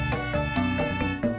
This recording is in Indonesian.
waduh gimana dong